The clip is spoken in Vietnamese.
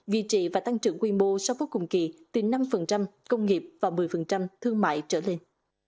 vị trí và tăng trưởng quy mô sau phút cùng kỳ tính năm công nghiệp và một mươi thương mại trở lên